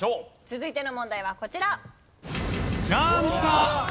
続いての問題はこちら。